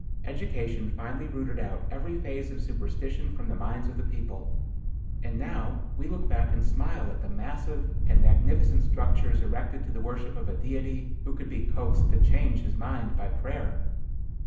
Education finally rooted out every phase of superstition from the minds of the people, and now we look back and smile at the massive and magnificent structures erected to the worship of a Deity who could be coaxed to change his mind by prayer."